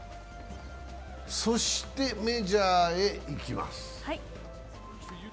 そしてメジャーへ行きます。